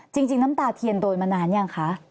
จริงน้ำตาเทียนโดนมานานยังคะ